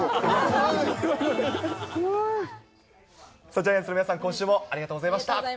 ジャイアンツの皆さん、ありがとうございました。